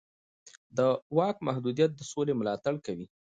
د واک محدودیت د سولې ملاتړ کوي